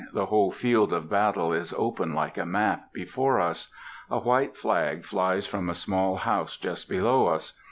The whole field of battle is open like a map before us. A white flag flies from a small house just below us.